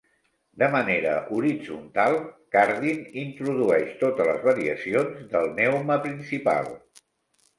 De manera horitzontal, Cardine introdueix totes les variacions del neuma principal.